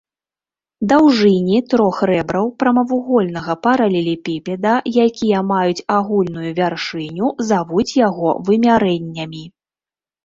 Даўжыні трох рэбраў прамавугольнага паралелепіпеда, якія маюць агульную вяршыню, завуць яго вымярэннямі.